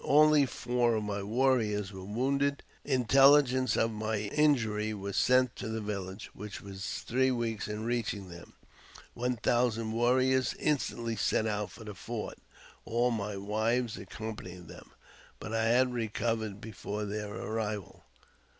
Only four of my warriors were rounded. Intelligence of my injury was sent to the village, rhich was three weeks in reaching them. One thousand brriors instantly set out for the fort, all my wives accom mying them ; but I had recovered before their arrival.